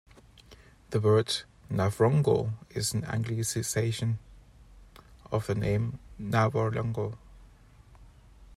The word "Navrongo" is an Anglicization of the name "navorlngo".